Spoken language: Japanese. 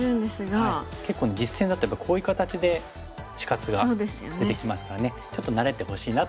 結構ね実戦だとやっぱりこういう形で死活が出てきますからねちょっと慣れてほしいなという意味で。